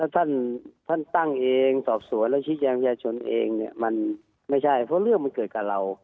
ท่านท่านตั้งเองสอบสวนและชี้แจงยาชนเองเนี่ยมันไม่ใช่เพราะเรื่องมันเกิดกับเรา